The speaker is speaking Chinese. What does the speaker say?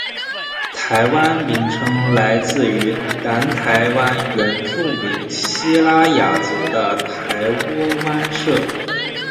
“台湾”名称来自于南台湾原住民西拉雅族的台窝湾社。